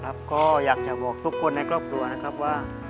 ก็อยากจะบอกทุกคนในครอบครัวนะครับว่า